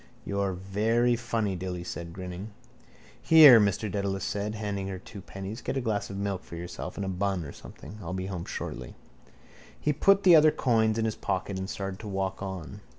—You're very funny, Dilly said, grinning. —Here, Mr Dedalus said, handing her two pennies. Get a glass of milk for yourself and a bun or a something. I'll be home shortly. He put the other coins in his pocket and started to walk on.